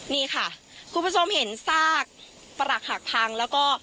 นี่ค่ะคุณผู้ชมเห็นซากปรักหักพังแล้วก็